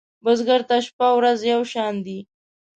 بزګر ته شپه ورځ یو شان دي